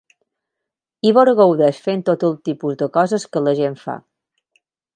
Ivor gaudeix fent tot el tipus de coses que la gent fa.